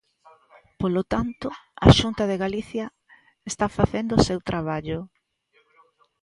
Polo tanto, a Xunta de Galicia está facendo o seu traballo.